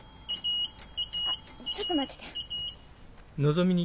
あっちょっと待ってて。